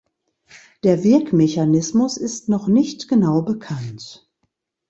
Der Wirkmechanismus ist noch nicht genau bekannt.